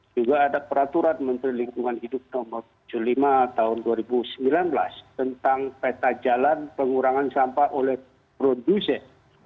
juga ada peraturan menteri lingkungan hidup nomor tujuh puluh lima tahun dua ribu sembilan belas tentang peta jalan pengurangan sampah oleh produsen